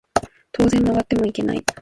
当然曲がってもいけない